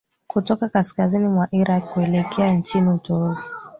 kutoka kaskazini mwa iraq kuelekea nchi uturuki